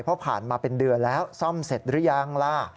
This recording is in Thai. เพราะผ่านมาเป็นเดือนแล้วซ่อมเสร็จหรือยังล่ะ